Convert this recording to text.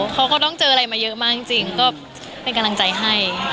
เขาก็ต้องเจออะไรมาเยอะมากจริงก็เป็นกำลังใจให้